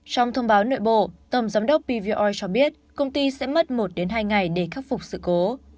trong thông báo nội bộ tổng giám đốc pvr cho biết công ty sẽ mất một hai ngày để khắc phục sự cố